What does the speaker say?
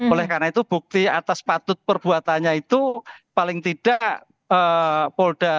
oleh karena itu bukti atas patut perbuatannya itu paling tidak polda